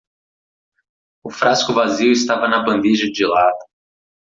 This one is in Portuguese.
O frasco vazio estava na bandeja de lata.